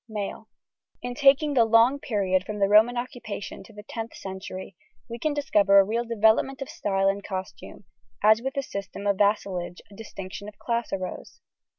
MALE. In taking the long period from the Roman occupation to the 10th century, we can discover a real development of style in costume, as with the system of vassalage a distinction of class arose.